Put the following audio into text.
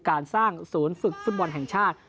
การสร้างศูนย์ฝึกฟุตบอลแห่งชาติ